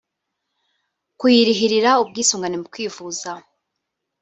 kuyirihirira ubwisungane mu kwivuza